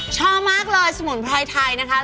ชอบมากเลยสมุนไพรไทยนะคะ